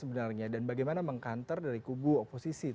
baru yang dikatakan masyarakat agaib